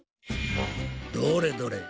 どれどれ。